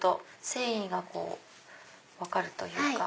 繊維が分かるというか。